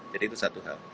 jadi itu satu hal